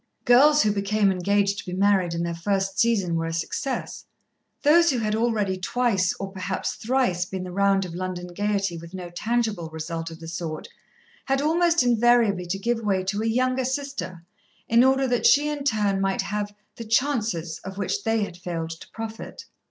Girls who became engaged to be married in their first season were a success, those who had already twice, or perhaps thrice, been the round of London gaiety with no tangible result of the sort, had almost invariably to give way to a younger sister, in order that she, in her turn, might have "the chances" of which they had failed to profit.